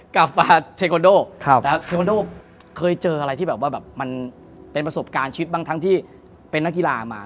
กลับมาเทโกโดเทควันโดเคยเจออะไรที่แบบว่าแบบมันเป็นประสบการณ์ชีวิตบ้างทั้งที่เป็นนักกีฬามา